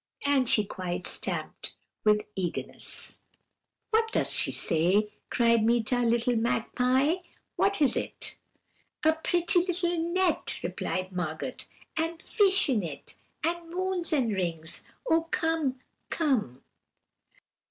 And she quite stamped with eagerness. "'What does she say?' cried Meeta; 'little magpie, what is it?' "'A pretty little net,' replied Margot, 'and fish in it, and moons and rings. Oh, come, come!'